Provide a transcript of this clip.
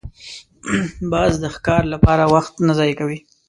باز د ښکار لپاره وخت نه ضایع کوي